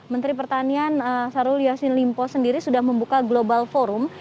menteri pertanian sarul yassin limpo sendiri sudah membuka global forum